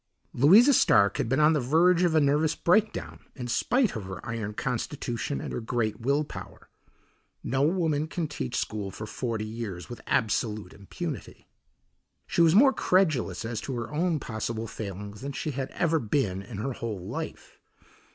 Louisa Stark had been on the verge of a nervous breakdown in spite of her iron constitution and her great will power. No woman can teach school for forty years with absolute impunity. She was more credulous as to her own possible failings than she had ever been in her whole life.